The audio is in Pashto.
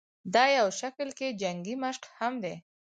دا يو شکل کښې جنګي مشق هم دے